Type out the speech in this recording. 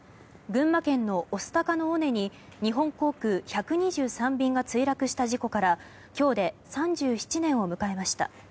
群馬県の御巣鷹の尾根に日本航空１２３便が墜落した事故から今日で３７年を迎えました。